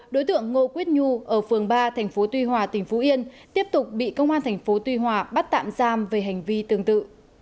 đối tượng ngô quyết nhu ở phường ba tp tuy hòa tỉnh phú yên tiếp tục bị công an tp tuy hòa bắt tạm giam về hành vi tương tự